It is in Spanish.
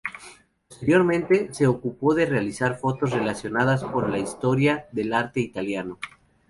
Posteriormente, se ocupó de realizar fotos relacionadas con la Historia del arte italiano.